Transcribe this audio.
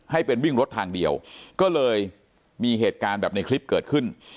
ให้เป็นวิ่งรถทางเดียวก็เลยมีเหตุการณ์แบบในคลิปเกิดขึ้น